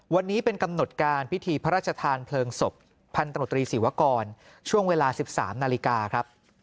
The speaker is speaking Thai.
วันนี้เป็นกำหนดการพิธีพระราชทานเพลิงศพพันธมตรีศิวกรช่วงเวลา๑๓นาฬิกาครับ